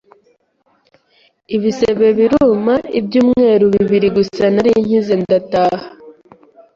ibisebe biruma, ibyumweru bibiri gusa nari nkize ndataha